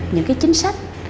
những cái chính sách